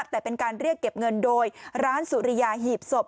แต่เป็นการเรียกเก็บเงินโดยร้านสุริยาหีบศพ